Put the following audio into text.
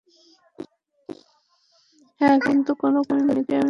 হ্যাঁ, কিন্তু কোন কথাটি আমি মিথ্যা বললাম?